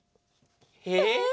えっ？